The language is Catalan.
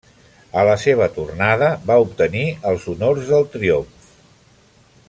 A la seva tornada va obtenir els honors del triomf.